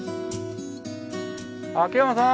秋山さん！